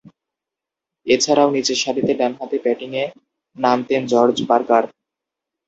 এছাড়াও, নিচেরসারিতে ডানহাতে ব্যাটিংয়ে নামতেন জর্জ পার্কার।